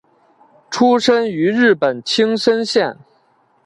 出身于日本青森县。